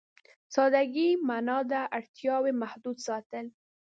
سادهګي معنا ده اړتياوې محدود ساتل.